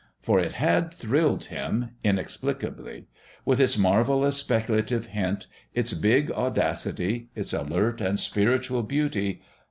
For it had thrilled him inexplicably: with its marvellous speculative hint, its big audacity, its alert and spiritual beauty....